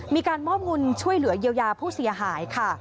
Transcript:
มีการมอบเงินช่วยเหลือเยียวยาผู้เสียหายค่ะ